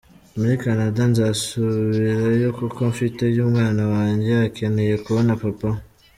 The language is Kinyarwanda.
Muri Canada nzasubirayo kuko mfiteyo umwana wanjye, akeneye kubona papa we".